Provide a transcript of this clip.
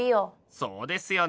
そうですよね。